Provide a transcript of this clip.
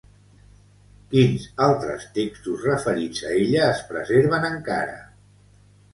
Quins altres textos referits a ella es preserven encara?